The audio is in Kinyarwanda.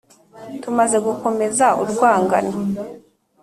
Tumaze gukomeza urwangano,